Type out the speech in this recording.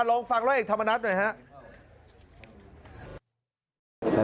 ลองฟังร้อยเอกธรรมนัฐหน่อยครับ